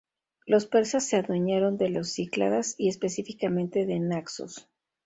Los persas se adueñaron de las Cícladas, y específicamente de Naxos.